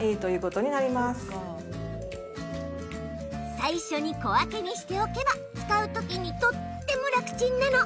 最初に小分けにしておけば使うときにとっても楽ちんなの。